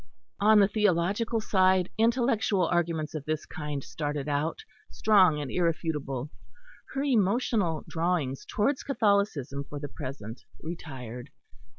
On the theological side intellectual arguments of this kind started out, strong and irrefutable; her emotional drawings towards Catholicism for the present retired.